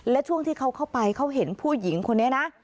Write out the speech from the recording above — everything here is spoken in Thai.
และช่วงที่เขาเข้าไปเขาเห็นผู้หญิงคนนี้นะ